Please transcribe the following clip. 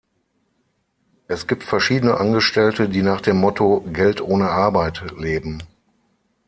Es gibt verschiedene Angestellte, die nach dem Motto „Geld ohne Arbeit“ leben.